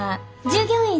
従業員？寮？